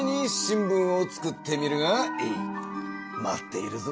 待っているぞ。